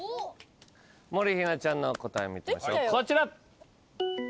もりひなちゃんの答え見てみましょうこちら。